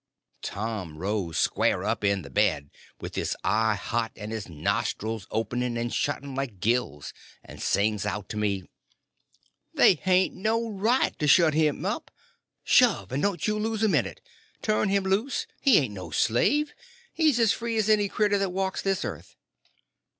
Tom rose square up in bed, with his eye hot, and his nostrils opening and shutting like gills, and sings out to me: "They hain't no right to shut him up! Shove!—and don't you lose a minute. Turn him loose! he ain't no slave; he's as free as any cretur that walks this earth!"